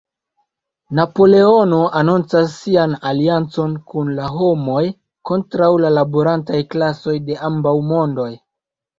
Napoleono anoncas sian aliancon kun la homoj, kontraŭ la laborantaj klasoj de ambaŭ "mondoj.